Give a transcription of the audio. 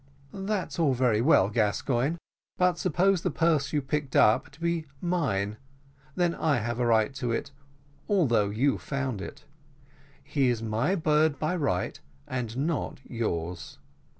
"That's all very well, Gascoigne; but suppose the purse you picked up to be mine, then I have a right to it, although you found it; he is my bird by right, and not yours."